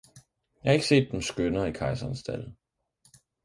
Jeg har ikke set dem skønnere i kejserens stalde!